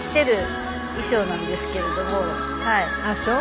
あっそう。